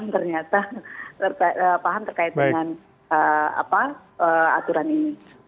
ternyata paham terkait dengan aturan ini